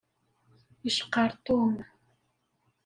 Iceqqeṛ Tom.